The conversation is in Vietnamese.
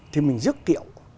thì mình giúp kiệu